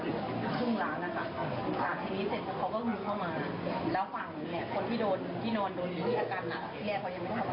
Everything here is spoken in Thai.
แล้วฝั่งนั้นก็มาอีกครึ่งล้างนะครับฝั่งทีนี้เสร็จแล้วเขาก็ยืนเข้ามา